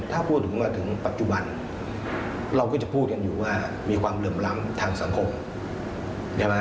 ถ้าพูดถึงมาถึงปัจจุบันเราก็จะพูดกันอยู่ว่ามีความเหลื่อมล้ำทางสังคมใช่ไหม